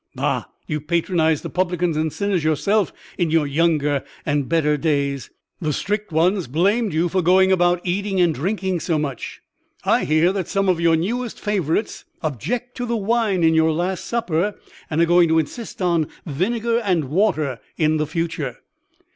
"Bah! you patronised the publicans and sinners yourself in your younger and better days. The strict ones blamed you for going about eating and drinking so much. I hear that some of your newest favorites object to the wine in your last supper, and are going to insist on vinegar and water in future."